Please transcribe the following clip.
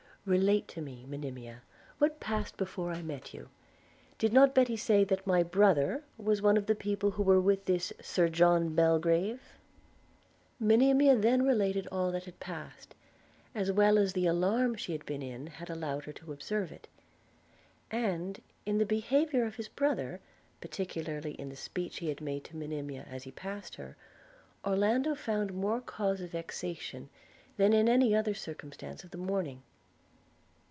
Relate to me, Monimia, what passed before I met you. Did not Betty say, that my brother was one of the people who were with this Sir John Belgrave? Monimia then related all that had passed, as well as the alarm she had been in had allowed her to observe it; and in the behaviour of his brother, particularly in the speech he had made to Monimia as he passed her, Orlando found more cause of vexation than in any other circumstance of the morning.